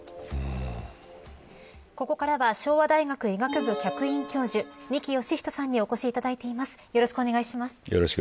ここからは昭和大学医学部客員教授二木芳人さんにお越しいただいています。